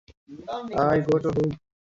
Tulichevo is the nearest rural locality.